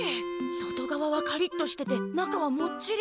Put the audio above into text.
外側はカリッとしてて中はもっちり。